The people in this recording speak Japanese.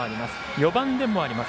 ４番でもあります。